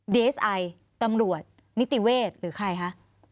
ดีเอสไอตำรวจนิติเวศหรือใครคะ